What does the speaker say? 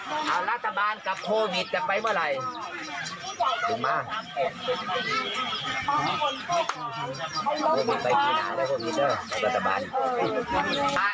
เอารัฐบาลกับโควิดจะไปเมื่อไหร่